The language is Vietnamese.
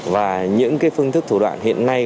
và những cái phương thức thủ đoạn hiện nay